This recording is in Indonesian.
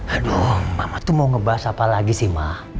aduh mama tuh mau ngebahas apa lagi sih mak